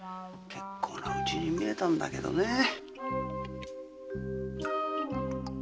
結構な家に見えたんだけどね。